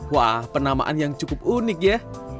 wah penamaan yang cukup unik ya